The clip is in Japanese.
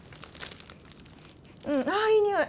うんあいい匂い。